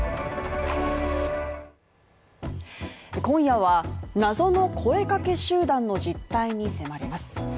今夜は謎の声かけ集団の実態に迫ります。